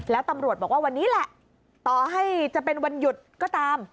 แล้วตำรวจบอกว่าวันนี้แหละต่อให้จะเป็นวันหยุดก็ตาม